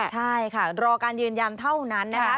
ใช่ค่ะรอการยืนยันเท่านั้นนะคะ